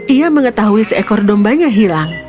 ia mengetahui seekor dombanya hilang